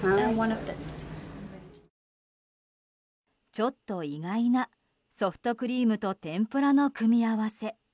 ちょっと意外なソフトクリームと天ぷらの盛り合わせ。